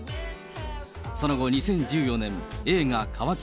その後、２０１４年、映画、渇き。